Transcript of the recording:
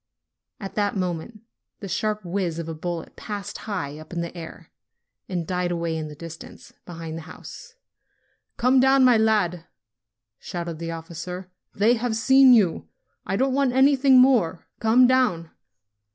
At that moment the sharp whiz of a bullet passed high up in the air, and died away in the distance, be hind the house. "Come down, my lad!" shouted the officer. "They have seen you. I don't want anything more. Come down!"